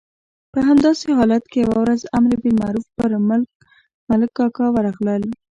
په همداسې حالت کې یوه ورځ امر بالمعروف پر ملک کاکا ورغلل.